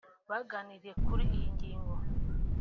baganiriye kuri iyi ngingo